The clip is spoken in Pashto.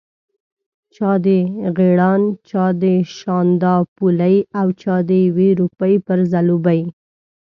چا د غیراڼ، چا د شانداپولي او چا د یوې روپۍ پر ځلوبۍ.